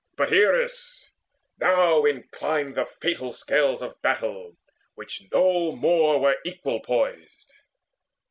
But Eris now inclined The fatal scales of battle, which no more Were equal poised.